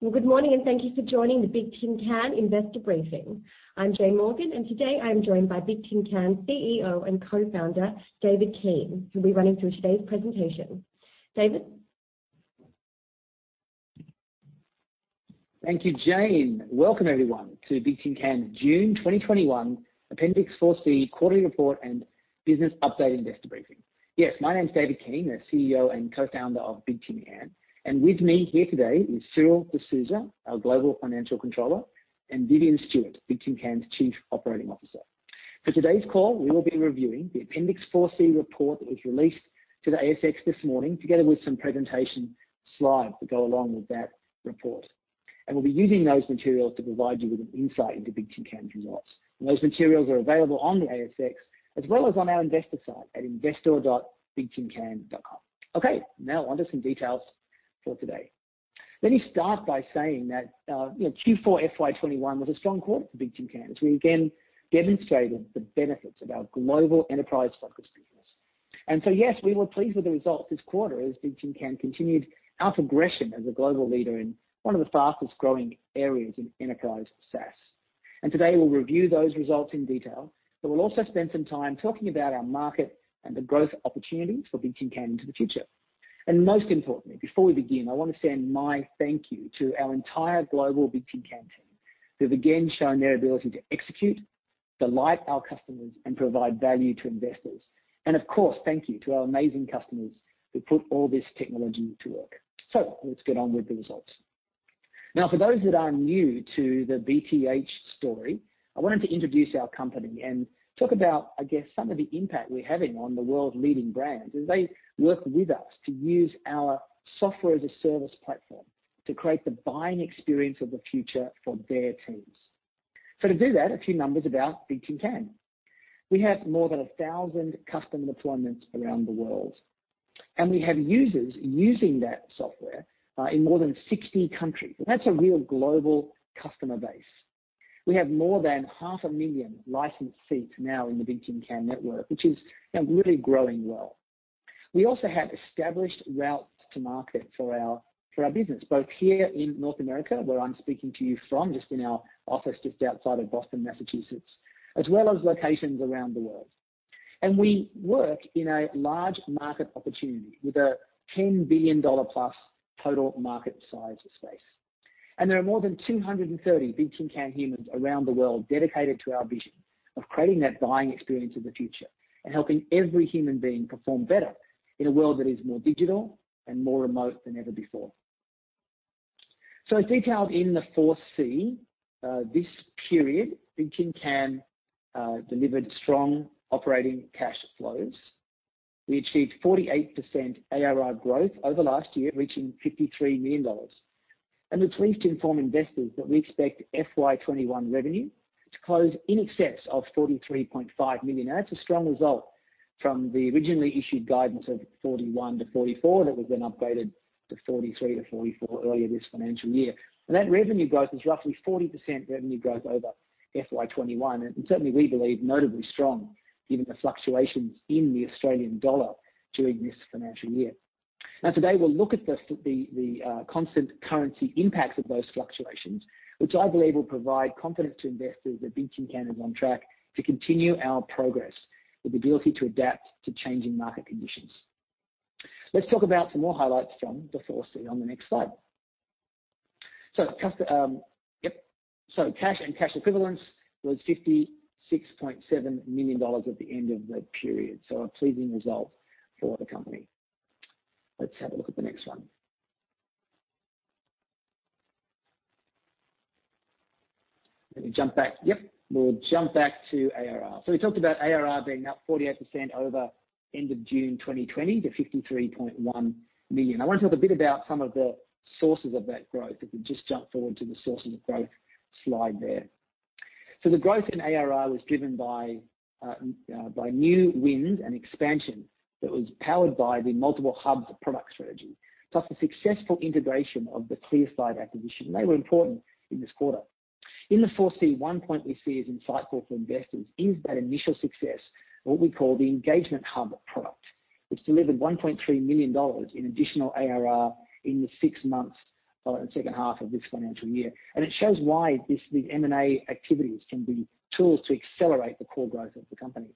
Well, good morning and thank you for joining the Bigtincan investor briefing. I'm Jane Morgan, and today I'm joined by Bigtincan CEO and Co-Founder, David Keane, who'll be running through today's presentation. David? Thank you, Jane. Welcome everyone to Bigtincan June 2021 Appendix 4C quarterly report and business update investor briefing. Yes, my name's David Keane, the CEO and co-founder of Bigtincan. With me here today is Cyril Desouza, our Global Financial Controller, and Vivian Stewart, Bigtincan's Chief Operating Officer. For today's call, we will be reviewing the Appendix 4C report that was released to the ASX this morning, together with some presentation slides that go along with that report. We'll be using those materials to provide you with an insight into Bigtincan's results. Those materials are available on the ASX as well as on our investor site at investor.bigtincan.com. Okay, now onto some details for today. Let me start by saying that Q4 FY21 was a strong quarter for Bigtincan, as we again demonstrated the benefits of our global enterprise-focused business. Yes, we were pleased with the results this quarter as Bigtincan continued our progression as a global leader in one of the fastest-growing areas in enterprise SaaS. Today, we'll review those results in detail, but we'll also spend some time talking about our market and the growth opportunities for Bigtincan into the future. Most importantly, before we begin, I want to send my thank you to our entire global Bigtincan team, who have again shown their ability to execute, delight our customers, and provide value to investors. Of course, thank you to our amazing customers who put all this technology to work. Let's get on with the results. For those that are new to the BTH story, I wanted to introduce our company and talk about, I guess, some of the impact we're having on the world-leading brands as they work with us to use our software-as-a-service platform to create the buying experience of the future for their teams. To do that, a few numbers about Bigtincan. We have more than 1,000 customer deployments around the world, and we have users using that software in more than 60 countries. That's a real global customer base. We have more than 500,000 licensed seats now in the Bigtincan network, which is really growing well. We also have established routes to market for our business, both here in North America, where I'm speaking to you from, just in our office just outside of Boston, Massachusetts, as well as locations around the world. We work in a large market opportunity with a 10 billion dollar-plus total market size space. There are more than 230 Bigtincan humans around the world dedicated to our vision of creating that buying experience of the future and helping every human being perform better in a world that is more digital and more remote than ever before. As detailed in the 4C, this period, Bigtincan delivered strong operating cash flows. We achieved 48% ARR growth over last year, reaching 53 million dollars. We're pleased to inform investors that we expect FY21 revenue to close in excess of 43.5 million. That's a strong result from the originally issued guidance of 41 million-44 million that was then upgraded to 43 million-44 million earlier this financial year. That revenue growth is roughly 40% revenue growth over FY21. Certainly, we believe notably strong given the fluctuations in the Australian dollar during this financial year. Today, we'll look at the constant currency impacts of those fluctuations, which I believe will provide confidence to investors that Bigtincan is on track to continue our progress with the ability to adapt to changing market conditions. Let's talk about some more highlights from the 4C on the next slide. Cash and cash equivalents was 56.7 million dollars at the end of the period. A pleasing result for the company. Let's have a look at the next one. Let me jump back. Yep. We'll jump back to ARR. We talked about ARR being up 48% over end of June 2020 to 53.1 million. I want to talk a bit about some of the sources of that growth, if we just jump forward to the sources of growth slide there. The growth in ARR was driven by new wins and expansion that was powered by the multiple hubs of product strategy, plus the successful integration of the ClearSlide acquisition. They were important in this quarter. In the 4C, one point we see as insightful for investors is that initial success of what we call the Engagement Hub product, which delivered $1.3 million in additional ARR in the six months of the second half of this financial year. It shows why these M&A activities can be tools to accelerate the core growth of the company.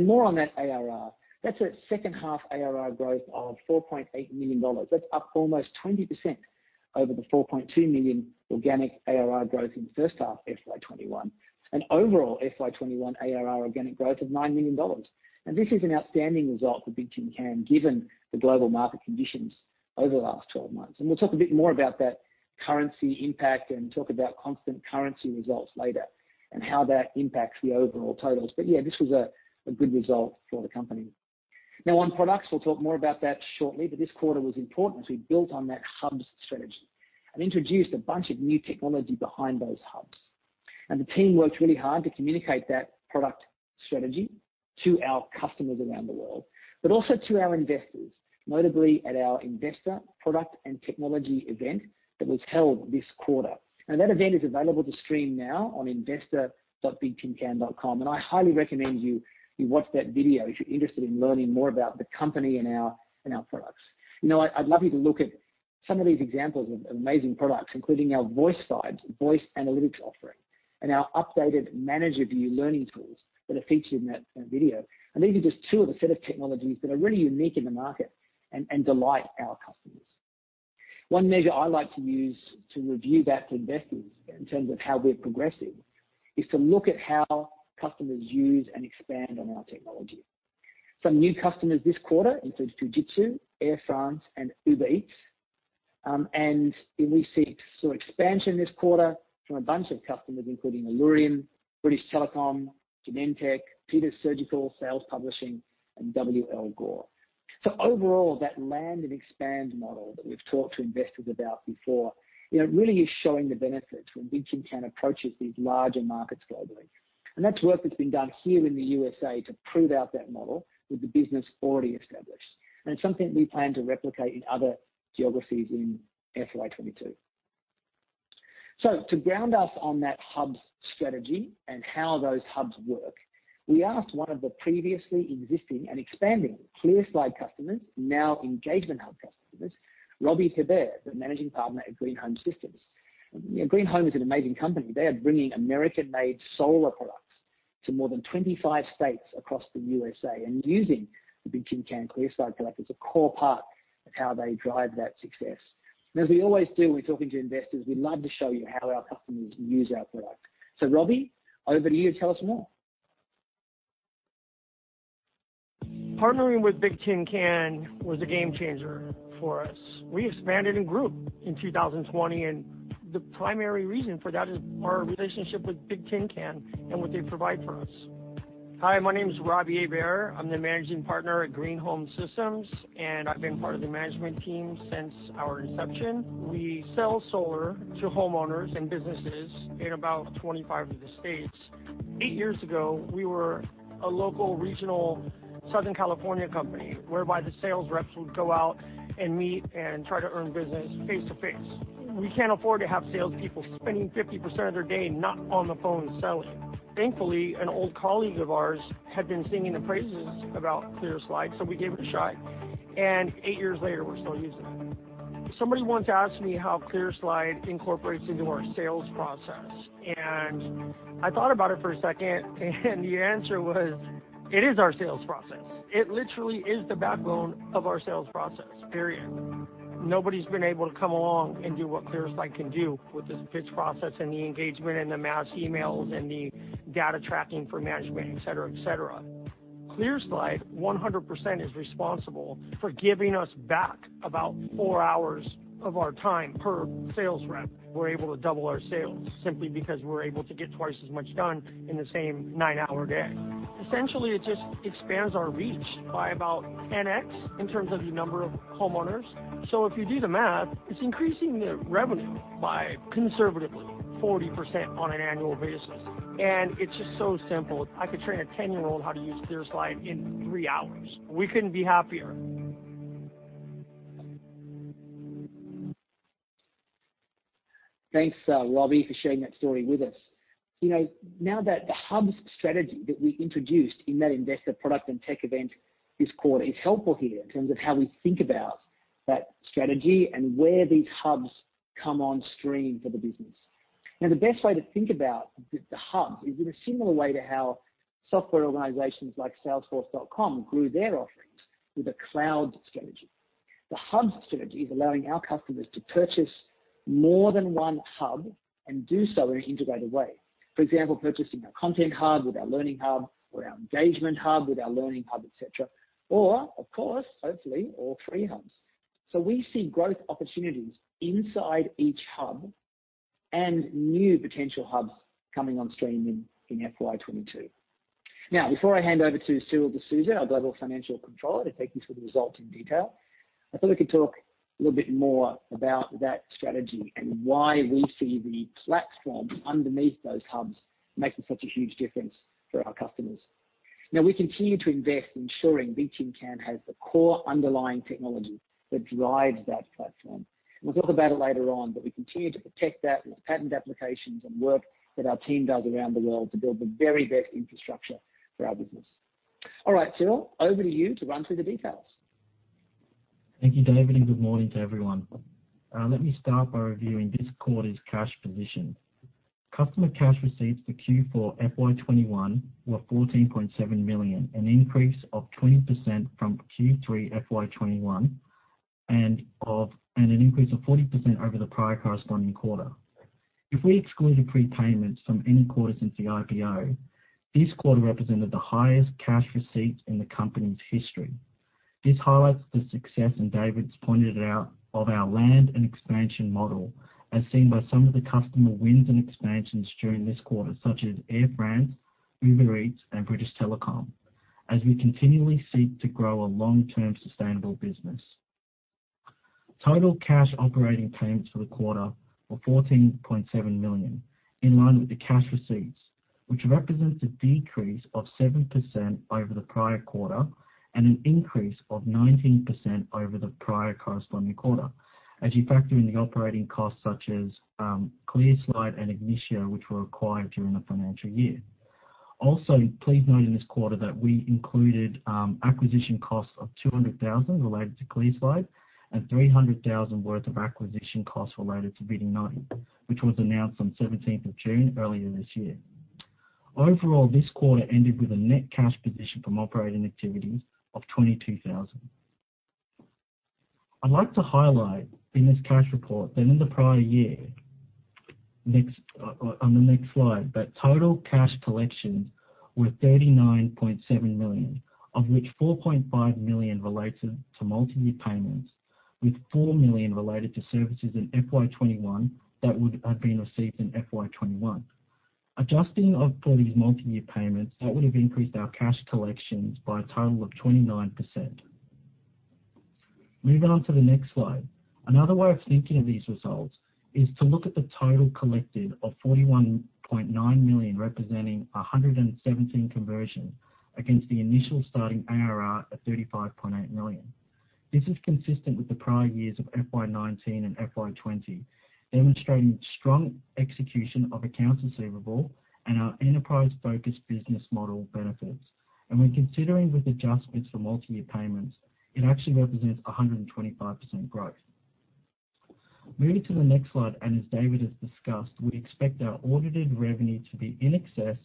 More on that ARR. That's a second half ARR growth of $4.8 million. That's up almost 20% over the $4.2 million organic ARR growth in the first half of FY 2021, an overall FY 2021 ARR organic growth of $9 million. This is an outstanding result for Bigtincan given the global market conditions over the last 12 months. We'll talk a bit more about that currency impact and talk about constant currency results later and how that impacts the overall totals. This was a good result for the company. We'll talk more about that shortly, but this quarter was important as we built on that hubs strategy and introduced a bunch of new technology behind those hubs. The team worked really hard to communicate that product strategy to our customers around the world, but also to our investors, notably at our investor product and technology event that was held this quarter. That event is available to stream now on investor.bigtincan.com. I highly recommend you watch that video if you're interested in learning more about the company and our products. I'd love you to look at some of these examples of amazing products, including our VoiceVibes, voice analytics offering, and our updated manager view learning tools that are featured in that video. These are just two of the set of technologies that are really unique in the market and delight our customers. One measure I like to use to review that to investors in terms of how we're progressing, is to look at how customers use and expand on our technology. Some new customers this quarter include Fujitsu, Air France, and Uber Eats. We saw expansion this quarter from a bunch of customers, including Allurion, British Telecom, Genentech, Peters Surgical, SAGE Publishing, and W. L. Gore. Overall, that land and expand model that we've talked to investors about before, it really is showing the benefits when Bigtincan approaches these larger markets globally. That's work that's been done here in the U.S.A. to prove out that model with the business already established, and it's something we plan to replicate in other geographies in FY22. To ground us on that hubs strategy and how those hubs work, we asked one of the previously existing and expanding ClearSlide customers, now Engagement Hub customers, Robbie Hebert, the managing partner at Green Home Systems. Green Home is an amazing company. They are bringing American-made solar products to more than 25 states across the U.S.A. and using the Bigtincan ClearSlide product as a core part of how they drive that success. As we always do when we're talking to investors, we love to show you how our customers use our product. Robbie, over to you. Tell us more. Partnering with Bigtincan was a game changer for us. We expanded and grew in 2020, and the primary reason for that is our relationship with Bigtincan and what they provide for us. Hi, my name is Robbie Hebert. I'm the managing partner at Green Home Systems, and I've been part of the management team since our inception. We sell solar to homeowners and businesses in about 25 of the states. Eight years ago, we were a local, regional Southern California company, whereby the sales reps would go out and meet and try to earn business face-to-face. We can't afford to have salespeople spending 50% of their day not on the phone selling. Thankfully, an old colleague of ours had been singing the praises about ClearSlide, so we gave it a shot, and eight years later, we're still using it. Somebody once asked me how ClearSlide incorporates into our sales process, and I thought about it for a second, and the answer was, it is our sales process. It literally is the backbone of our sales process, period. Nobody's been able to come along and do what ClearSlide can do with this pitch process and the engagement and the mass emails and the data tracking for management, et cetera. ClearSlide 100% is responsible for giving us back about four hours of our time per sales rep. We're able to double our sales simply because we're able to get twice as much done in the same nine-hour day. Essentially, it just expands our reach by about 10x in terms of the number of homeowners. If you do the math, it's increasing the revenue by conservatively 40% on an annual basis. It's just so simple. I could train a 10-year-old how to use ClearSlide in three hours. We couldn't be happier. Thanks, Robbie, for sharing that story with us. That the hubs strategy that we introduced in that investor product and tech event this quarter is helpful here in terms of how we think about that strategy and where these hubs come on stream for the business. The best way to think about the hub is in a similar way to how software organizations like Salesforce grew their offerings with a cloud strategy. The hub strategy is allowing our customers to purchase more than 1 hub and do so in an integrated way. For example, purchasing our Content Hub with our Learning Hub, or our Engagement Hub with our Learning Hub, et cetera. Of course, hopefully all three hubs. We see growth opportunities inside each hub and new potential hubs coming on stream in FY 2022. Now, before I hand over to Cyril Desouza, our Global Financial Controller, to take you through the results in detail, I thought we could talk a little bit more about that strategy and why we see the platform underneath those hubs making such a huge difference for our customers. Now, we continue to invest in ensuring Bigtincan has the core underlying technology that drives that platform. We'll talk about it later on, but we continue to protect that with patent applications and work that our team does around the world to build the very best infrastructure for our business. All right, Cyril, over to you to run through the details. Thank you, David, and good morning to everyone. Let me start by reviewing this quarter's cash position. Customer cash receipts for Q4 FY 2021 were 14.7 million, an increase of 20% from Q3 FY 2021, and an increase of 40% over the prior corresponding quarter. If we excluded prepayments from any quarter since the IPO, this quarter represented the highest cash receipts in the company's history. This highlights the success, and David's pointed it out, of our land and expansion model, as seen by some of the customer wins and expansions during this quarter, such as Air France, Uber Eats, and British Telecom, as we continually seek to grow a long-term sustainable business. Total cash operating payments for the quarter were AUD 14.7 million, in line with the cash receipts, which represents a decrease of 7% over the prior quarter and an increase of 19% over the prior corresponding quarter as you factor in the operating costs such as ClearSlide and Agnitio, which were acquired during the financial year. Please note in this quarter that we included acquisition costs of 200,000 related to ClearSlide and 300,000 worth of acquisition costs related to Vidinoti, which was announced on 17th of June earlier this year. This quarter ended with a net cash position from operating activities of 22,000. I'd like to highlight in this cash report that in the prior year, on the next slide, that total cash collections were 39.7 million, of which 4.5 million related to multi-year payments, with 4 million related to services in FY21 that would have been received in FY21. Adjusting for these multi-year payments, that would have increased our cash collections by a total of 29%. Moving on to the next slide. Another way of thinking of these results is to look at the total collected of 41.9 million, representing 117 conversions against the initial starting ARR of 35.8 million. This is consistent with the prior years of FY19 and FY20, demonstrating strong execution of accounts receivable and our enterprise-focused business model benefits. When considering with adjustments for multi-year payments, it actually represents 125% growth. Moving to the next slide, as David has discussed, we expect our audited revenue to be in excess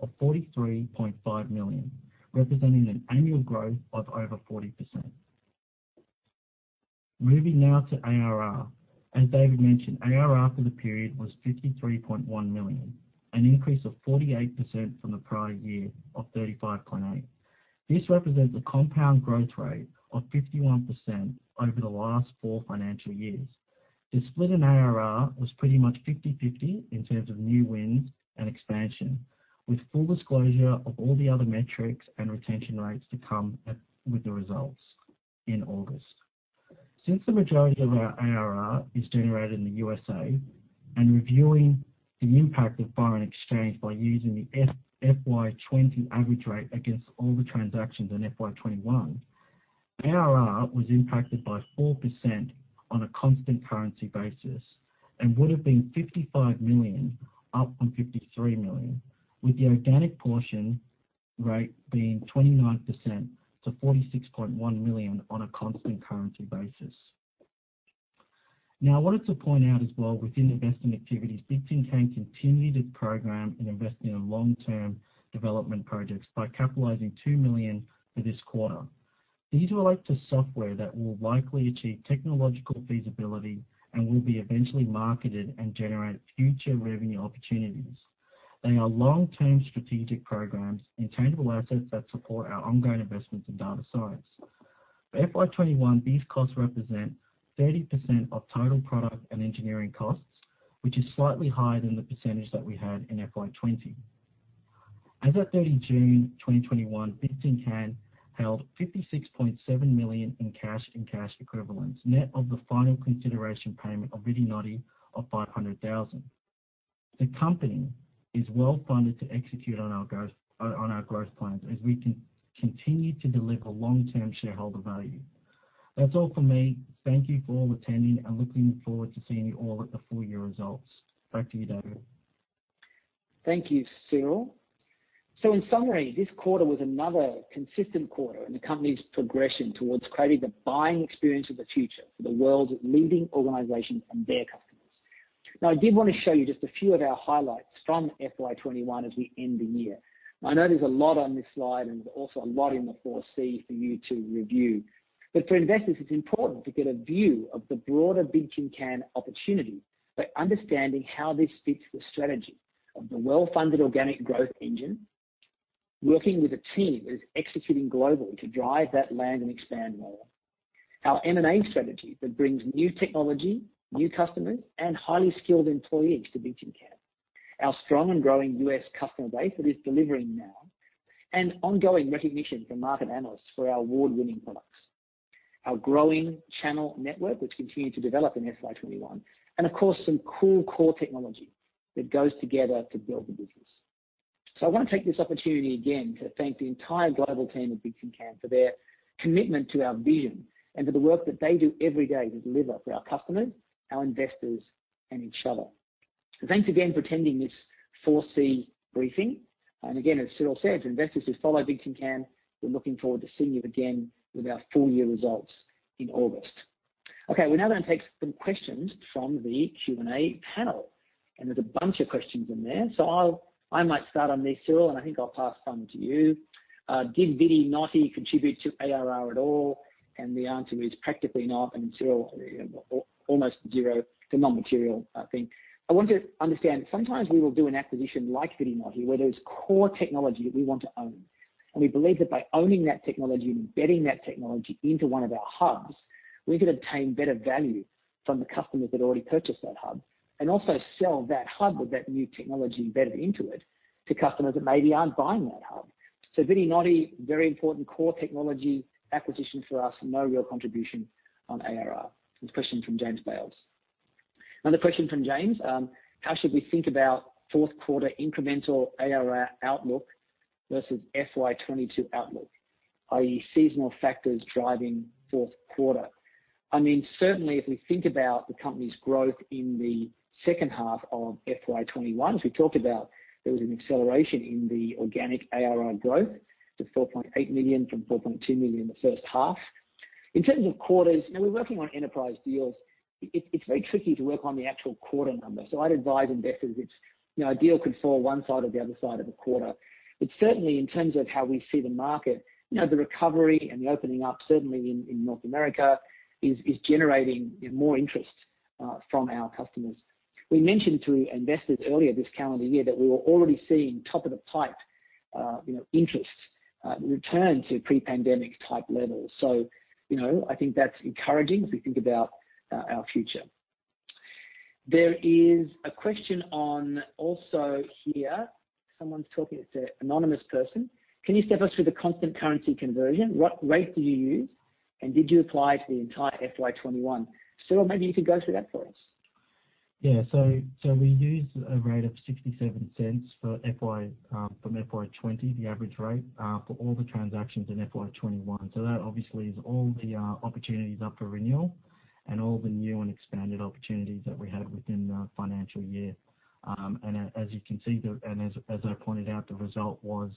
of 43.5 million, representing an annual growth of over 40%. Moving now to ARR. As David mentioned, ARR for the period was 53.1 million, an increase of 48% from the prior year of 35.8 million. This represents a compound growth rate of 51% over the last four financial years. The split in ARR was pretty much 50/50 in terms of new wins and expansion, with full disclosure of all the other metrics and retention rates to come with the results in August. Since the majority of our ARR is generated in the USA, and reviewing the impact of foreign exchange by using the FY20 average rate against all the transactions in FY21, ARR was impacted by 4% on a constant currency basis and would have been $55 million up from $53 million, with the organic portion rate being 29% to $46.1 million on a constant currency basis. I wanted to point out as well within investment activities, Bigtincan continued its program in investing in long-term development projects by capitalizing 2 million for this quarter. These relate to software that will likely achieve technological feasibility and will be eventually marketed and generate future revenue opportunities. They are long-term strategic programs and tangible assets that support our ongoing investments in data science. For FY21, these costs represent 30% of total product and engineering costs, which is slightly higher than the percentage that we had in FY20. As at 30 June 2021, Bigtincan held 56.7 million in cash and cash equivalents, net of the final consideration payment of Vidinoti of 500,000. The company is well-funded to execute on our growth plans as we continue to deliver long-term shareholder value. That's all from me. Thank you for attending, and looking forward to seeing you all at the full-year results. Back to you, David. Thank you, Cyril. In summary, this quarter was another consistent quarter in the company's progression towards creating the buying experience of the future for the world's leading organizations and their customers. I did want to show you just a few of our highlights from FY21 as we end the year. I know there's a lot on this slide, and there's also a lot in the 4C for you to review. For investors, it's important to get a view of the broader Bigtincan opportunity by understanding how this fits the strategy of the well-funded organic growth engine, working with a team that is executing globally to drive that land and expand model. Our M&A strategy that brings new technology, new customers, and highly skilled employees to Bigtincan. Our strong and growing U.S. customer base that is delivering now. Ongoing recognition from market analysts for our award-winning products. Our growing channel network, which continued to develop in FY21. Of course, some cool core technology that goes together to build the business. I want to take this opportunity again to thank the entire global team at Bigtincan for their commitment to our vision and for the work that they do every day to deliver for our customers, our investors, and each other. Thanks again for attending this 4C briefing. Again, as Cyril said, to investors who follow Bigtincan, we're looking forward to seeing you again with our full-year results in August. We're now going to take some questions from the Q&A panel. There's a bunch of questions in there. I might start on this, Cyril, and I think I'll pass some to you. Did Vidinoti contribute to ARR at all? The answer is practically not. Cyril, almost zero, they're non-material, I think. I want to understand, sometimes we will do an acquisition like Vidinoti, where there's core technology that we want to own. We believe that by owning that technology and embedding that technology into one of our hubs, we can obtain better value from the customers that already purchased that hub, and also sell that hub with that new technology embedded into it to customers that maybe aren't buying that hub. Vidinoti, very important core technology acquisition for us, no real contribution on ARR. This question from James Bales. Another question from James, how should we think about fourth quarter incremental ARR outlook versus FY 2022 outlook? Seasonal factors driving fourth quarter? Certainly, if we think about the company's growth in the second half of FY21, as we talked about, there was an acceleration in the organic ARR growth to 4.8 million from 4.2 million in the first half. In terms of quarters, we're working on enterprise deals. It's very tricky to work on the actual quarter number. I'd advise investors a deal could fall one side or the other side of a quarter. Certainly in terms of how we see the market, the recovery and the opening up certainly in North America is generating more interest from our customers. We mentioned to investors earlier this calendar year that we were already seeing top-of-the-pipe interest return to pre-pandemic-type levels. I think that's encouraging as we think about our future. There is a question on also here, someone's talking, it's an anonymous person. Can you step us through the constant currency conversion? What rate do you use, and did you apply to the entire FY21? Cyril, maybe you could go through that for us. Yeah. We used a rate of 0.67 from FY 2020, the average rate, for all the transactions in FY 2021. That obviously is all the opportunities up for renewal and all the new and expanded opportunities that we had within the financial year. As you can see, and as I pointed out, the result was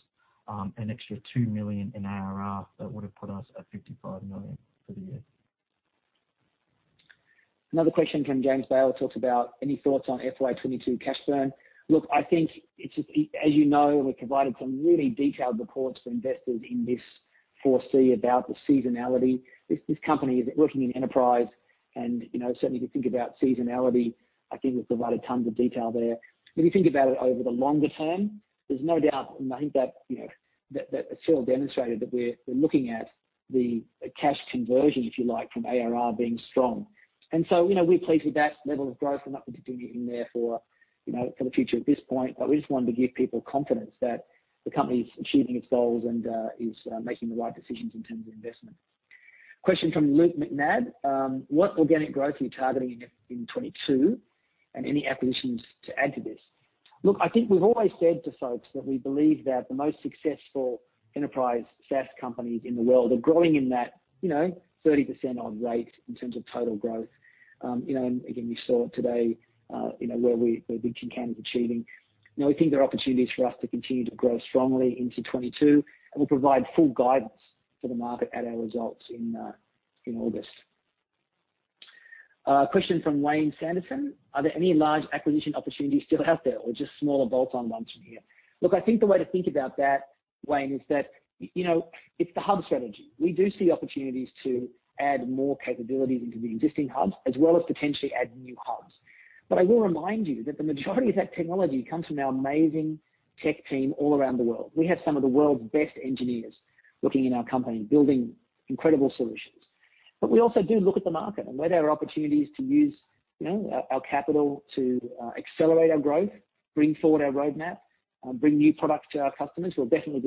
an extra 2 million in ARR that would have put us at 55 million for the year. Another question from James Bales talks about any thoughts on FY22 cash burn. Look, I think as you know, we provided some really detailed reports for investors in this 4C about the seasonality. This company is working in enterprise, and certainly if you think about seasonality, I think we've provided tons of detail there. If you think about it over the longer term, there's no doubt, and I think that Cyril demonstrated that we're looking at the cash conversion, if you like, from ARR being strong. We're pleased with that level of growth. We're not predicting it in there for the future at this point. We just wanted to give people confidence that the company is achieving its goals and is making the right decisions in terms of investment. Question from Luke Macnab. What organic growth are you targeting in 2022, and any acquisitions to add to this? Look, I think we've always said to folks that we believe that the most successful enterprise SaaS companies in the world are growing in that 30% odd rate in terms of total growth. We saw it today where Bigtincan is achieving. We think there are opportunities for us to continue to grow strongly into 2022, and we'll provide full guidance for the market at our results in August. A question from Wayne Sanderson. Are there any large acquisition opportunities still out there or just smaller bolt-on ones from here? Look, I think the way to think about that, Wayne, is that it's the hub strategy. We do see opportunities to add more capabilities into the existing hubs as well as potentially add new hubs. I will remind you that the majority of that technology comes from our amazing tech team all around the world. We have some of the world's best engineers working in our company, building incredible solutions. We also do look at the market and where there are opportunities to use our capital to accelerate our growth, bring forward our roadmap, bring new products to our customers, we'll definitely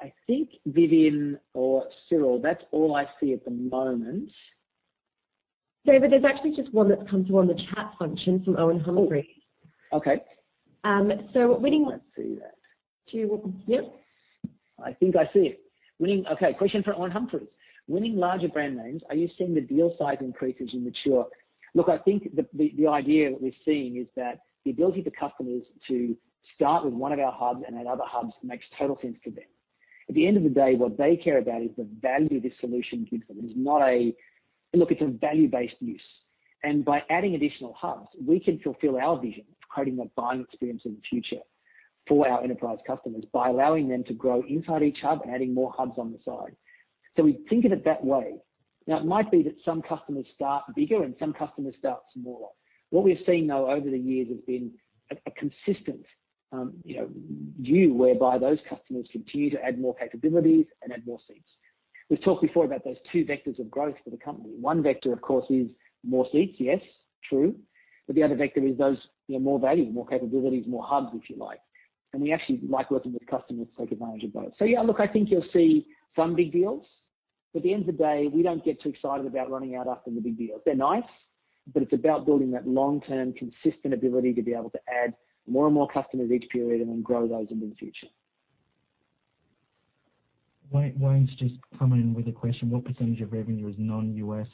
be looking at those. I think Vivian or Cyril, that's all I see at the moment. David, there's actually just one that's come through on the chat function from Owen Humphreys. Okay. So winning- Let's see that. Yep. I think I see it. Okay. Question from Owen Humphreys. Winning larger brand names, are you seeing the deal size increase as you mature? Look, I think the idea that we're seeing is that the ability for customers to start with one of our hubs and add other hubs makes total sense for them. At the end of the day, what they care about is the value this solution gives them. Look, it's a value-based use. By adding additional hubs, we can fulfill our vision of creating that buying experience of the future for our enterprise customers by allowing them to grow inside each hub and adding more hubs on the side. We think of it that way. Now, it might be that some customers start bigger and some customers start smaller. What we've seen, though, over the years has been a consistent view whereby those customers continue to add more capabilities and add more seats. We've talked before about those two vectors of growth for the company. One vector, of course, is more seats. Yes, true. The other vector is those more value, more capabilities, more hubs, if you like. We actually like working with customers to take advantage of both. Yeah, look, I think you'll see some big deals. At the end of the day, we don't get too excited about running out after the big deals. They're nice, but it's about building that long-term, consistent ability to be able to add more and more customers each period and then grow those into the future. Wayne's just come in with a question. What percentage of revenue is non-U.S.?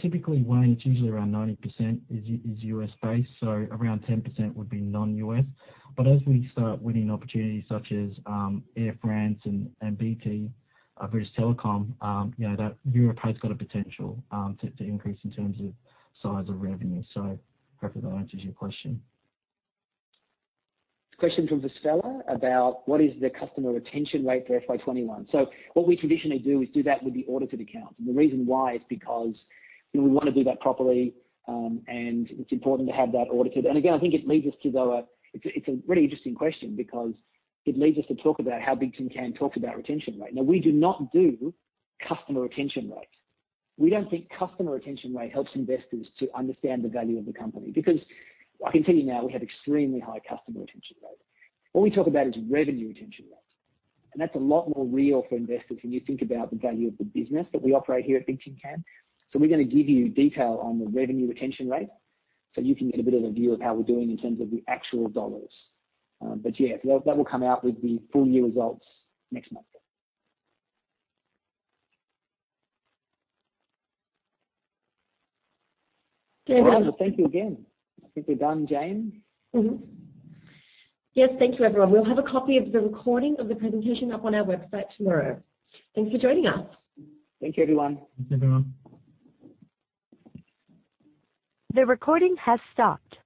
Typically, Wayne, it's usually around 90% is U.S.-based, so around 10% would be non-U.S. As we start winning opportunities such as Air France and BT, British Telecom, Europe has got a potential to increase in terms of size of revenue. Hopefully that answers your question. Question from Vistela about what is the customer retention rate for FY 2021? What we traditionally do is do that with the audited accounts. The reason why is because we want to do that properly, and it's important to have that audited. Again, I think it leads us to, though, it's a really interesting question because it leads us to talk about how Bigtincan talks about retention rate. Now, we do not do customer retention rate. We don't think customer retention rate helps investors to understand the value of the company. I can tell you now, we have extremely high customer retention rate. All we talk about is revenue retention rate, and that's a lot more real for investors when you think about the value of the business that we operate here at Bigtincan. We're going to give you detail on the revenue retention rate so you can get a bit of a view of how we're doing in terms of the actual dollars. Yeah, that will come out with the full-year results next month. David- Thank you again. I think we're done, Jane. Yes. Thank you, everyone. We'll have a copy of the recording of the presentation up on our website tomorrow. Thanks for joining us. Thank you, everyone. Thanks, everyone. The recording has stopped.